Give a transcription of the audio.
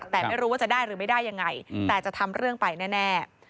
แต่ไม่รู้ว่าจะได้หรือไม่ได้ยังไงแต่จะทำเรื่องไปแน่